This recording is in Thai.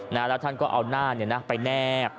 แล้วท่านก็เอาหน้าไปแนบ